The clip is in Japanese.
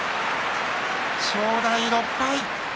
正代、６敗。